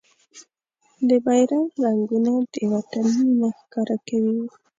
د بېرغ رنګونه د وطن مينه ښکاره کوي.